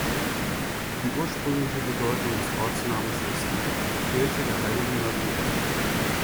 Die ursprüngliche Bedeutung des Ortsnamens ist „Kirche der Heiligen Maria“.